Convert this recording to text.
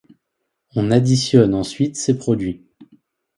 On additionne ensuite ces produits.